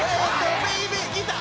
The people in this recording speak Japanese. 「ベイビーギター」